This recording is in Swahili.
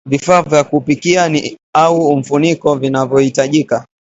Vifaa vya kupikia au mfuniko vinavyohitajika